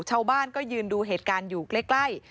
ชาวบ้านก็ยืนดูเหตุการณ์อยู่ใกล้